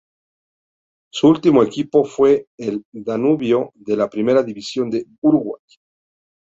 Su último equipo fue el Danubio de la Primera División de Uruguay.